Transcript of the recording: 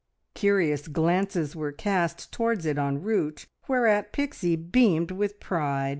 Curious glances were cast towards it en route, whereat Pixie beamed with pride.